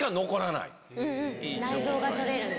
内臓が取れるんだ。